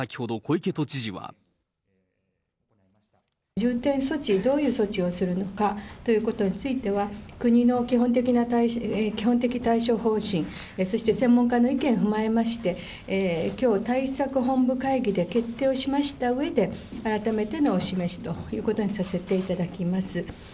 重点措置、どういう措置をするのかということについては、国の基本的対処方針、そして、専門家の意見を踏まえまして、きょう対策本部会議で決定をしましたうえで、改めてのお示しということにさせていただきます。